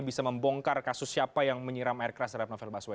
bisa membongkar kasus siapa yang menyiram air keras dari bang novel baswena